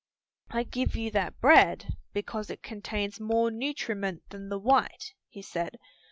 "I give you that bread because it contains more nutriment than the white," he said.